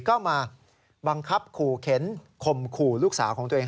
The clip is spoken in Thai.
ก็มาบังคับขู่เข็นข่มขู่ลูกสาวของตัวเอง